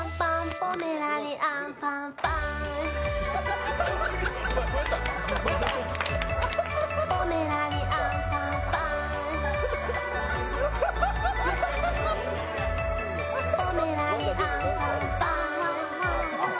ポメラニアンパンパン。